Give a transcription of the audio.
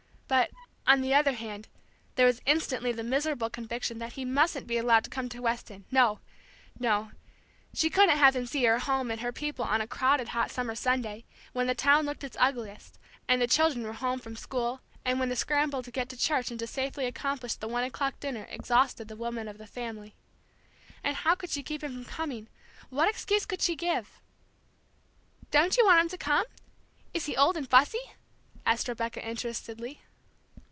But, on the other hand, there was instantly the miserable conviction that he mustn't be allowed to come to Weston, no no she couldn't have him see her home and her people on a crowded hot summer Sunday, when the town looked its ugliest, and the children were home from school, and when the scramble to get to church and to safely accomplish the one o'clock dinner exhausted the women of the family. And how could she keep him from coming, what excuse could she give? "Don't you want him to come is he old and fussy?" asked Rebecca, interestedly.